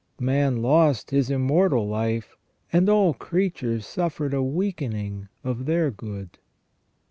Man lost his immortal life, and all creatures suffered a weakening of their good.